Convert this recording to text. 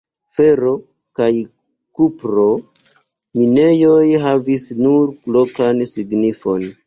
Fero- kaj kupro-minejoj havis nur lokan signifon.